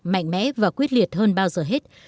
mạnh mẽ và quyết liệt hơn bao giờ hết